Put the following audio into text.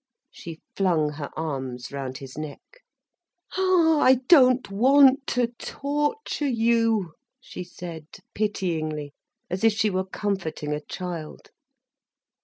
She flung her arms round his neck. "Ah, I don't want to torture you," she said pityingly, as if she were comforting a child.